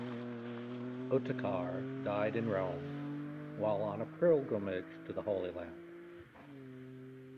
Ottokar died in Rome, while on a pilgrimage to the Holy Land.